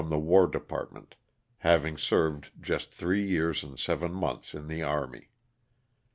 133 the war department, having served just three years and seven months in the army.